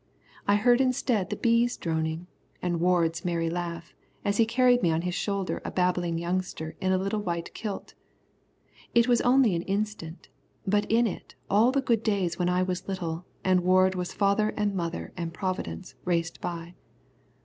I heard instead the bees droning, and Ward's merry laugh, as he carried me on his shoulder a babbling youngster in a little white kilt. It was only an instant, but in it all the good days when I was little and Ward was father and mother and Providence, raced by.